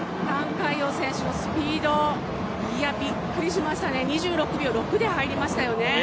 覃海洋選手のスピード、びっくりしましたね、２６秒６で入りましたよね。